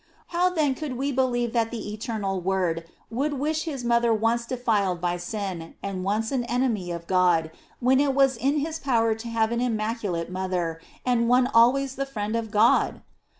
How then could we believe that the eternal Word would wish his mother once defiled by sin, and once an enemy of God, when it was in his power to have an im maculate mother and one always the friend of God?